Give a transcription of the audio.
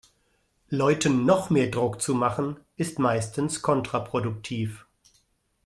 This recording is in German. Leuten noch mehr Druck zu machen, ist meistens kontraproduktiv.